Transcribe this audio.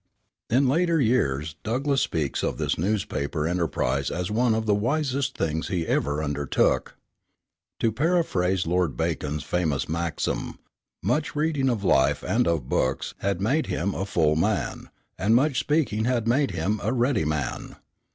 In later years Douglass speaks of this newspaper enterprise as one of the wisest things he ever undertook. To paraphrase Lord Bacon's famous maxim, much reading of life and of books had made him a full man, and much speaking had made him a ready man.